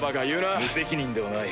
無責任ではない。